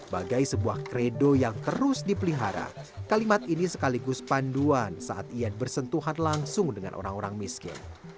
bagai sebuah kredo yang terus dipelihara kalimat ini sekaligus panduan saat ia bersentuhan langsung dengan orang orang miskin